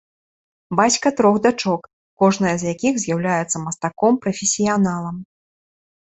Бацька трох дачок, кожная з якіх з'яўляецца мастаком-прафесіяналам.